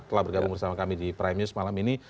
telah bergabung bersama kami di prime news malam ini